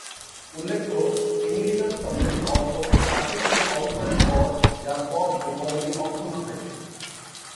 উল্লেখ্য, "ইমেরিটাস" শব্দটির অর্থ, ‘চাকরি থেকে অবসরের পর যার পদ ও পদবি অক্ষুণ্ন থাকে’।